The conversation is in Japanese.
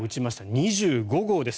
２５号です。